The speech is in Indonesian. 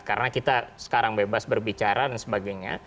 karena kita sekarang bebas berbicara dan sebagainya